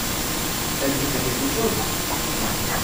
Elle fait bien quelque chose ? Non.